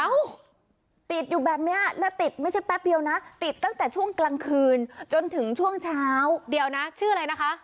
ติดอยู่แบบนี้และติดไม่ใช่แป๊บเดียวนะติดตั้งแต่ช่วงกลางคืนจนถึงช่วงเช้าเดียวนะชื่ออะไรนะคะ